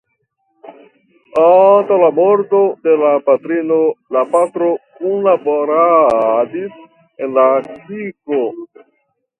Antaŭ la morto de la patrino la patro kunlaboradis en la cirko.